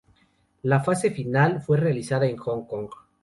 La Fase Final fue realizada en Hong Kong.